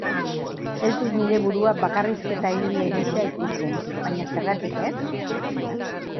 Ez dut nire burua bakarrizketa-egile gisa ikusten, baina zergatik ez?